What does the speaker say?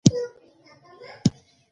بلکه خپل څلور معاونین